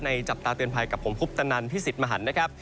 ในจับตาเตือนภัยกับผมพุฟตนันพิศิษฐ์มหันต์นะครับ